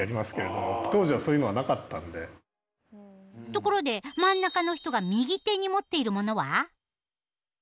ところで真ん中の人が右手に持っているものは？